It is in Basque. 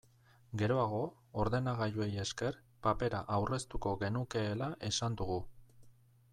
Geroago, ordenagailuei esker, papera aurreztuko genukeela esan dugu.